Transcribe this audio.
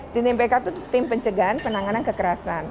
tim ppk itu tim pencegahan penanganan kekerasan